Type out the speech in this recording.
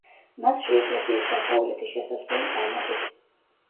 მასში ეკლესიის დასავლეთი შესასვლელი გამოდის.